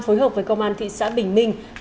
phối hợp với công an thị xã bình minh